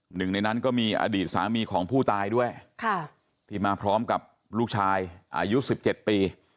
หนึ่งในนั้นก็มีอดีตสามีของผู้ตายด้วยที่มาพร้อมกับลูกชายอายุ๑๗ปี